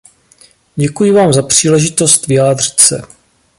Děkuji Vám za příležitost vyjádřit se.